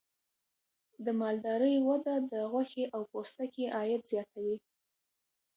د مالدارۍ وده د غوښې او پوستکي عاید زیاتوي.